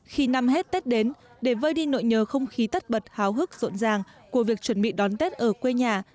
khi năm hết tết đến để vơi đi nội nhờ không khí tất bật háo hức rộn ràng của việc chuẩn bị đón tết ở quê nhà